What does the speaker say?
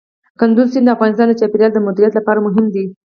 کندز سیند د افغانستان د چاپیریال د مدیریت لپاره مهم دی.